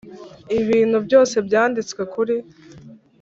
ibintu byose byanditswe kuri